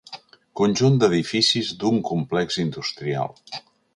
Conjunt d'edificis d'un complex industrial.